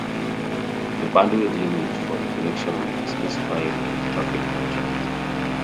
The bandwidth limit for the connection may be specified in a traffic contract.